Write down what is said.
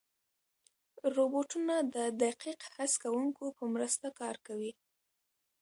روبوټونه د دقیق حس کوونکو په مرسته کار کوي.